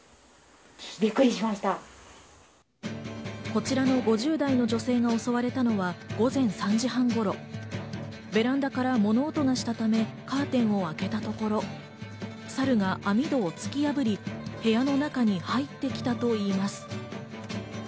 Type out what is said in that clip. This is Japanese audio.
こちらの５０代の女性が襲われたのは、午前３時半頃、ベランダから物音がしたため、カーテンを開けたところ、サルが網戸を突き破り、部屋の中に入ってきたといいます。